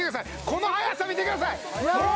この速さ見てくださいわあ